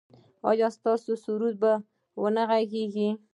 ایا ستاسو سرود به و نه غږیږي؟